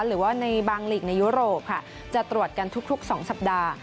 หรือว่าในบางหลีกในยุโรปค่ะจะตรวจกันทุก๒สัปดาห์